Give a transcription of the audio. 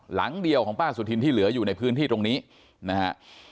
หลังเดียวของป้าสุธินที่เหลืออยู่ในพื้นที่ตรงนี้นะฮะ